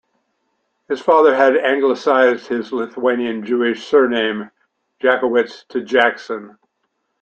His father had Anglicised his Lithuanian Jewish surname Jakowitz to Jackson.